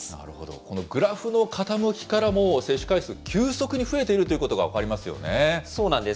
このグラフの傾きからも、接種回数、急速に増えているというそうなんです。